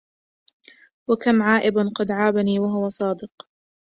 وكم عائب قد عابني وهو صادق